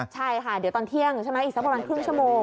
ใช่ค่ะเดี๋ยวตอนเที่ยงอีกสักประมาณครึ่งชม